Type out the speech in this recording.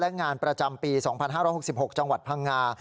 และงานประจำปี๒๕๖๖จังหวัดพังงา